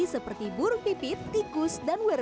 seperti burung pipit tikus dan wur